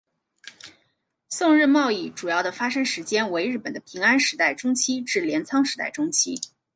宋日贸易主要的发生时间为日本的平安时代中期至镰仓时代中期。